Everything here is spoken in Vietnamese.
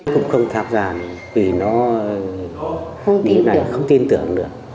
cũng không tham gia vì nó không tin tưởng được